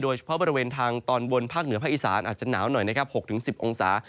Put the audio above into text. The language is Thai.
เฉพาะบริเวณทางตอนบนภาคเหนือภาคอีสานอาจจะหนาวหน่อยนะครับ๖๑๐องศา